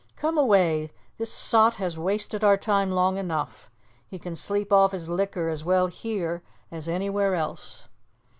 "Come away this sot has wasted our time long enough. He can sleep off his liquor as well here as anywhere else."